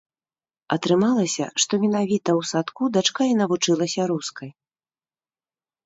Атрымалася, што менавіта ў садку дачка і навучылася рускай.